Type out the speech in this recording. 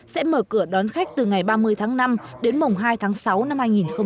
sẽ mở cửa đón khách từ ngày ba mươi tháng năm đến mùng hai tháng sáu năm hai nghìn hai mươi